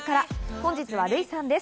本日はＲＵＩさんです。